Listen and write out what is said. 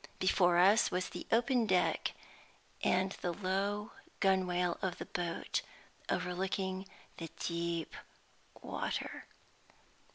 Before us was the open deck, and the low gunwale of the boat overlooking the deep water.